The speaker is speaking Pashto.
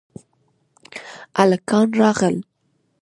هلکان راغل